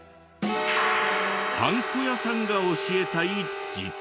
ハンコ屋さんが教えたい「実は」。